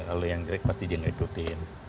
kalau yang greg pasti dia yang ikutin